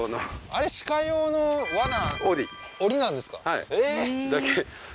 あれ鹿用のワナ檻檻なんですか？